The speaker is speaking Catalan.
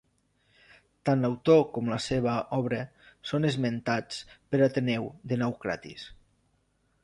Tant l'autor com la seva obre són esmentats per Ateneu de Naucratis.